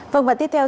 vâng và tiếp theo